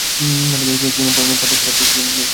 তিনি পদ্মসম্ভবের পঁচিশজন প্রধান শিষ্যের মধ্যে একজন হন।